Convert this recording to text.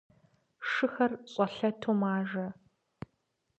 Шыхэр щӀэлъэту мажэ.